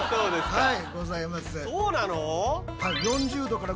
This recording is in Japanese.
はい。